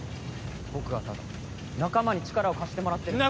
僕はただ仲間に力を貸してもらってるんだよ。